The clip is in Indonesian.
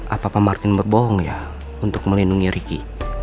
apa pak martin berbohong ya untuk melindungi riki